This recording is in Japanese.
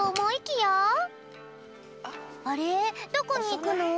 あれどこにいくの？